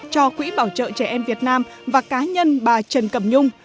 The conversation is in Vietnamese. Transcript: cho quỹ bảo trợ trẻ em việt nam và cá nhân bà trần cẩm nhung